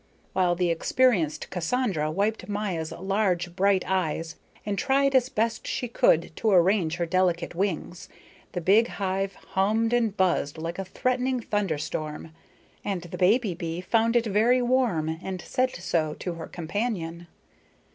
While the experienced Cassandra wiped Maya's large bright eyes and tried as best she could to arrange her delicate wings, the big hive hummed and buzzed like a threatening thunderstorm, and the baby bee found it very warm and said so to her companion.